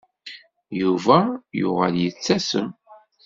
Yuba yuɣal yettasem.